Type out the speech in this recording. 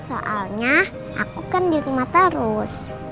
soalnya aku kan di rumah terus